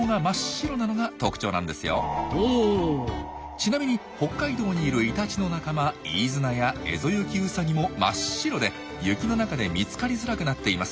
ちなみに北海道にいるイタチの仲間イイズナやエゾユキウサギも真っ白で雪の中で見つかりづらくなっています。